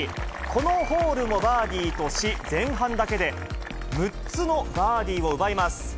このホールもバーディーとし、前半だけで６つのバーディーを奪います。